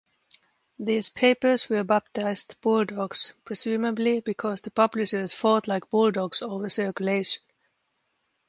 These papers were baptized "bulldogs" presumably because the publishers fought like bulldogs over circulation.